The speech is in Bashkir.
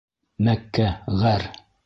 Мәккә ғәр.